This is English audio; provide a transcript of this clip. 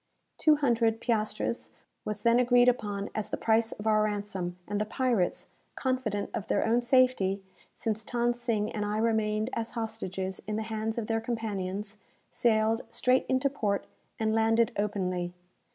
Two hundred piastres was then agreed upon as the price of our ransom, and the pirates (confident of their own safety, since Than Sing and I remained as hostages in the hands of their companions) sailed straight into port, and landed openly.